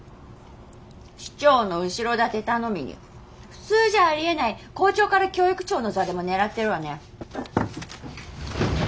市長の後ろ盾頼みに普通じゃありえない校長から教育長の座でも狙ってるわね。